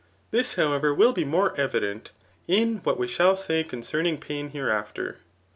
This, however, will be more evident in what we shall say concerning pain hereafter.